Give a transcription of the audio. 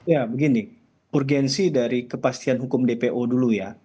ya begini urgensi dari kepastian hukum dpo dulu ya